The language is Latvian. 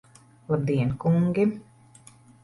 Labdien, kungi!